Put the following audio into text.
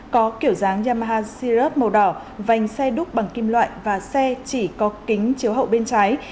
có kiểu dáng yamaha syrup màu đỏ vành xe đúc bằng kim loại và xe chỉ có kính chiếu hậu bên trái